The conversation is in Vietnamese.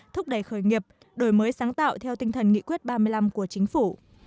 thúc đẩy khởi nghiệp đổi mới sáng tạo theo tinh thần nghị quyết ba mươi năm của chính phủ